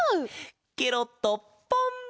ケロッとポン！